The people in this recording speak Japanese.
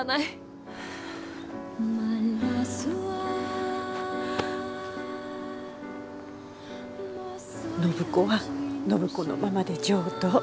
暢子は暢子のままで上等。